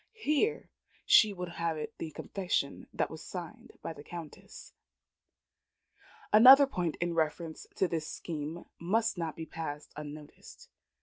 Here she would have it the confession was signed by the Countess. Another point in reference to this scheme must not be passed unnoticed.